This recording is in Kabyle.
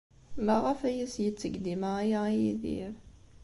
Maɣef ay as-yetteg dima aya i Yidir?